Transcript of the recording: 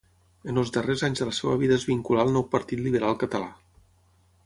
En els darrers anys de la seva vida es vinculà al nou Partit Liberal Català.